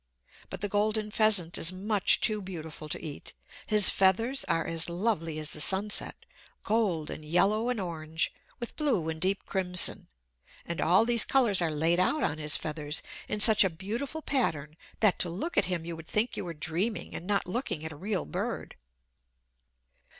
But the golden pheasant is much too beautiful to eat. His feathers are as lovely as the sunset gold and yellow and orange, with blue and deep crimson; and all these colors are laid out on his feathers in such a beautiful pattern that to look at him you would think you were dreaming, and not looking at a real bird.